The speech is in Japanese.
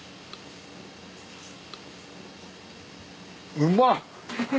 うまっ。